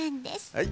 はい。